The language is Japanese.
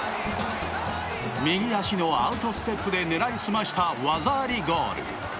右足のアウトステップで狙い澄ました技ありゴール。